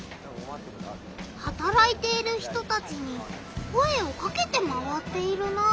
はたらいている人たちに声をかけて回っているなあ。